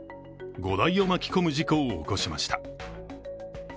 ５台を巻き込む事故を起こしました。